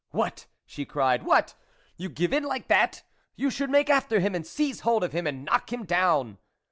What !" she cried, " what ! you give in like that ! you should make after him, and seize hold of him, and knock him down